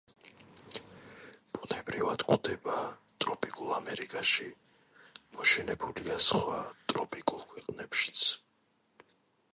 ბუნებრივად გვხვდება ტროპიკულ ამერიკაში, მოშენებულია სხვა ტროპიკულ ქვეყნებშიც.